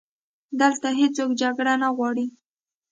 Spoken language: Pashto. دلته هیڅوک جګړه نه غواړي